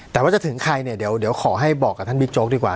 แต่ว่าจะถึงใครเนี่ยเดี๋ยวขอให้บอกกับท่านบิ๊กโจ๊กดีกว่า